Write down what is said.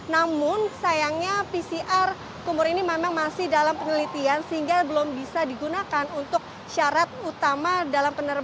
namun sayangnya pcr kumur ini memang masih dalam penelitian sehingga belum bisa digunakan untuk syarat utama dalam penerbangan